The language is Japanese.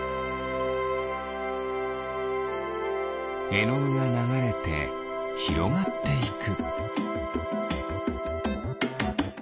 えのぐがながれてひろがっていく。